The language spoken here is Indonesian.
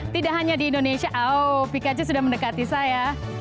tidak hanya di indonesia oh pikache sudah mendekati saya